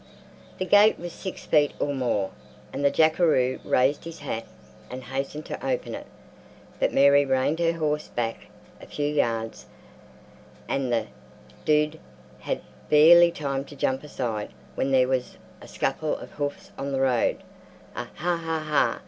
The gate was six feet or more, and the jackaroo raised his hat and hastened to open it, but Mary reined her horse back a few yards and the "dood" had barely time to jump aside when there was a scuffle of hoofs on the road, a "Ha ha ha!"